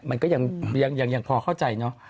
มันก็ยังพอเข้าใจเนอะ